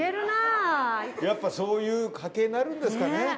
やっぱそういう家系になるんですかね。